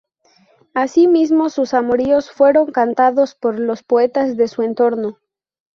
Asimismo, sus amoríos fueron cantados por los poetas de su entorno.